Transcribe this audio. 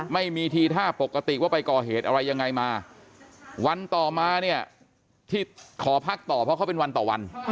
ไม่มีทีท่าปกติว่าไปก่อเหตุอะไรยังไงมาวันต่อมาเนี่ยที่ขอพักต่อเพราะเขาเป็นวันต่อวัน